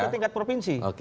itu tingkat provinsi